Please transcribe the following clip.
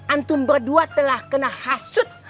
antum berdua telah kena hasut